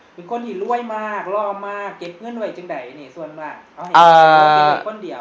เป็นคนที่รวยมากร่อมากเก็บเงื่อนไว้จังใด